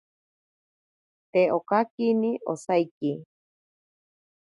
Te okakini osaiki.